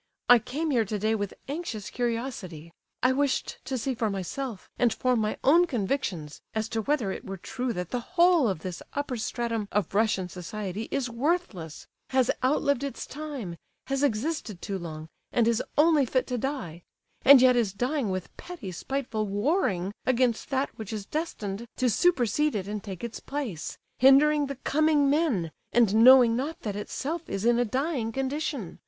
I came here today with anxious curiosity; I wished to see for myself and form my own convictions as to whether it were true that the whole of this upper stratum of Russian society is worthless, has outlived its time, has existed too long, and is only fit to die—and yet is dying with petty, spiteful warring against that which is destined to supersede it and take its place—hindering the Coming Men, and knowing not that itself is in a dying condition.